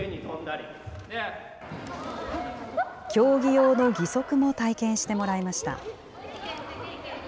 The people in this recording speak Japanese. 競技用の義足も体験してもらいました。